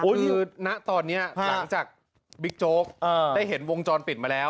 คุยนะตอนเนี่ยหลังจากบิ๊กโจ้กได้เห็นวงจรปิดมาแล้ว